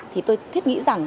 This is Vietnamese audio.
thì tôi thiết nghĩ rằng